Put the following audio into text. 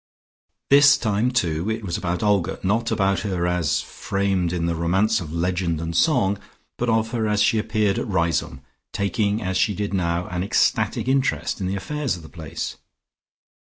This time, too, it was about Olga, not about her as framed in the romance of legend and song, but of her as she appeared at Riseholme, taking as she did now, an ecstatic interest in the affairs of the place.